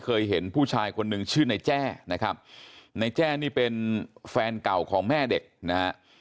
เคยเห็นผู้ชายคนหนึ่งชื่อในแจ้นะครับในแจ้นี่เป็นแฟนเก่าของแม่เด็กนะฮะ